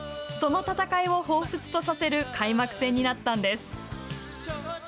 その戦いをほうふつとさせる開幕戦になったんです。